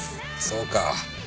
そうか。